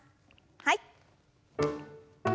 はい。